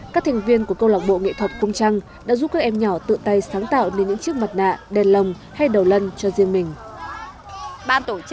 các thành viên của câu lạc bộ nghệ thuật cung trăng đã giúp các em nhỏ tự tay sáng tạo nên những chiếc mặt nạ đèn lồng hay đầu lân cho riêng mình